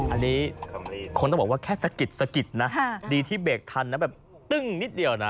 อันนี้คนต้องบอกว่าแค่สะกิดสะกิดนะดีที่เบรกทันนะแบบตึ้งนิดเดียวนะ